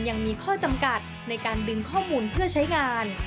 ยังมีข้อจำกัดในการดึงข้อมูลเพื่อใช้งาน